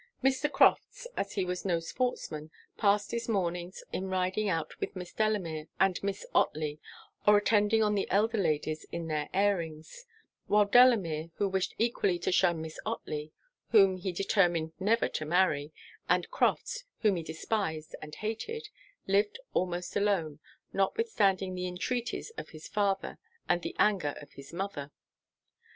Mr. Crofts, as he was no sportsman, passed his mornings in riding out with Miss Delamere and Miss Otley, or attending on the elder ladies in their airings: while Delamere, who wished equally to shun Miss Otley, whom he determined never to marry, and Crofts, whom he despised and hated, lived almost alone, notwithstanding the entreaties of his father and the anger of his mother.